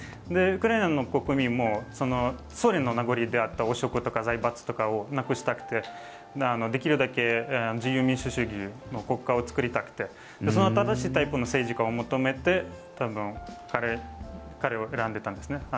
ウクライナの国民もソ連の名残であった汚職とか財閥とかをなくしたくてできるだけ自由民主主義の国家を作りたくてその新しいタイプの政治家を求めて彼を選んでいたんですね。